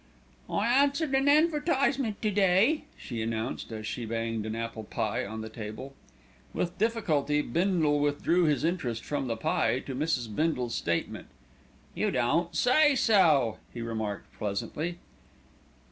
"I answered an advertisement to day," she announced, as she banged an apple pie on the table. With difficulty Bindle withdrew his interest from the pie to Mrs. Bindle's statement. "You don't say so," he remarked pleasantly.